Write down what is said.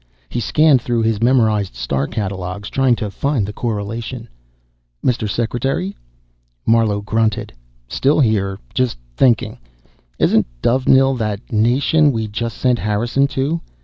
He scanned through his memorized star catalogues, trying to find the correlation. "Mr. Secretary?" Marlowe grunted. "Still here. Just thinking. Isn't Dovenil that nation we just sent Harrison to?"